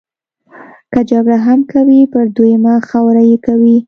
که جګړه هم کوي پر دویمه خاوره یې کوي.